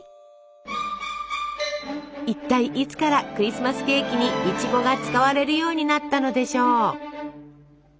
いったいいつからクリスマスケーキにいちごが使われるようになったのでしょう？